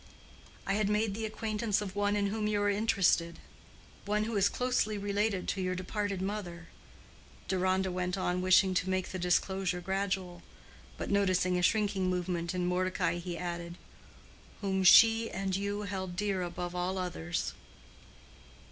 "I had made the acquaintance of one in whom you are interested." "One who is closely related to your departed mother," Deronda went on wishing to make the disclosure gradual; but noticing a shrinking movement in Mordecai, he added—"whom she and you held dear above all others."